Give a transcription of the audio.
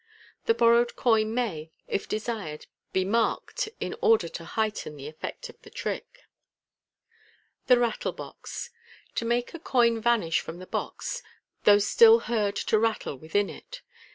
The borrowed coin may, if desired, be marked, »% order to heighten the effect el the trick. MO HERN MAGIC. 189 The Rattle Box. To make a Coin vanish from the Box, THOUGH STILL HEARD TO RATTLE WITHIN IT.